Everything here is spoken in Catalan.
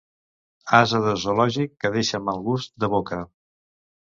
Ase de zoològic que deixa mal gust de boca.